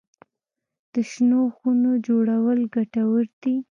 د شنو خونو جوړول ګټور دي؟